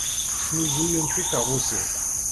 Snuzuyent tikeṛṛusin.